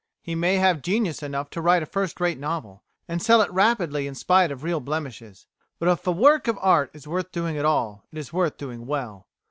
He may have genius enough to write a first rate novel, and sell it rapidly in spite of real blemishes, but if a work of art is worth doing at all, it is worth doing well.